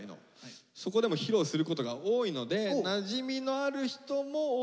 そこでも披露することが多いのでなじみのある人も多いと思います。